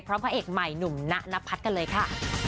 พร้อมพระเอกใหม่หนุ่มณณพัทกันเลยค่ะ